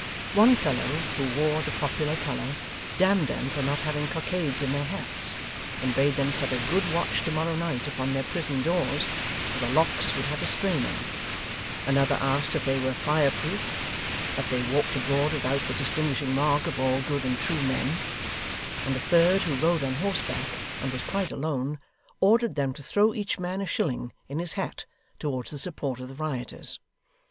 One fellow who wore the popular colour, damned them for not having cockades in their hats, and bade them set a good watch to morrow night upon their prison doors, for the locks would have a straining; another asked if they were fire proof, that they walked abroad without the distinguishing mark of all good and true men; and a third who rode on horseback, and was quite alone, ordered them to throw each man a shilling, in his hat, towards the support of the rioters.